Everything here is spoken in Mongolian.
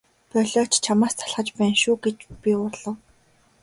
Болиоч чамаас залхаж байна шүү гэж би уурлав.